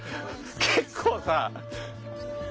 結構さ。